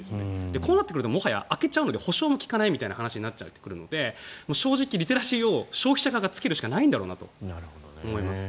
こうなってくるともはや開けちゃうので保証が利かないみたいな話になるので正直、リテラシーを消費者側がつけるしかないのかなと思います。